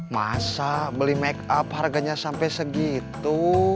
masa beli makeup harganya sampai segitu